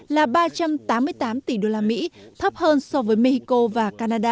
là ba trăm tám mươi tám tỷ đô la mỹ thấp hơn so với mexico và canada